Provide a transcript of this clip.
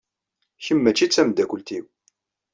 Kemm maci d tameddakelt-inu.